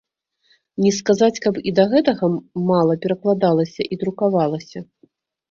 Не сказаць, каб і да гэтага мала перакладалася і друкавалася.